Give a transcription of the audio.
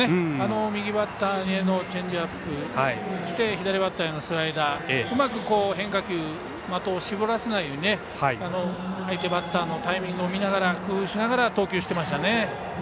右バッターへのチェンジアップそして左バッターへのスライダーうまく変化球的を絞らせないように相手バッターのタイミングを見ながら工夫しながら投球してました。